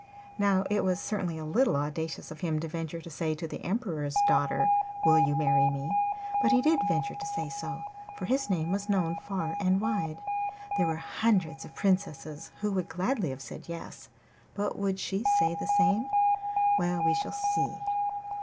Now it was certainly a little audacious of him to venture to say to the Emperor's daughter, 'Will you marry me?' But he did venture to say so, for his name was known far and wide. There were hundreds of princesses who would gladly have said 'Yes,' but would she say the same? Well, we shall see.